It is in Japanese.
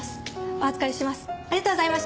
お預かりします。